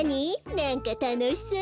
なんかたのしそう。